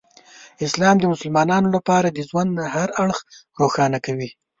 اسلام د مسلمانانو لپاره د ژوند هر اړخ روښانه کوي.